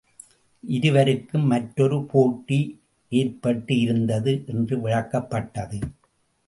இருவருக்கும் மற்றொரு போட்டி ஏற்பட்டு இருந்தது என்று விளக்கப்பட்டது.